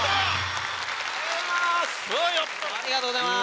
ありがとうございます。